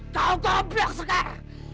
kau toblok sekar